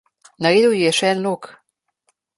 Naredil ji je še en lok.